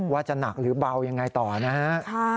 ว่าจะหนักหรือเบายังไงต่อนะฮะ